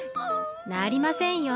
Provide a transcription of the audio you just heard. なりませんよ